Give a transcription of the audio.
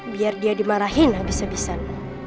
biar dia dimarahin habis habisan